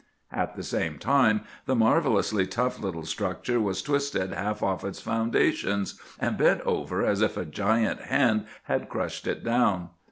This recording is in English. At the same time the marvellously tough little structure was twisted half off its foundations, and bent over as if a giant hand had crushed it down.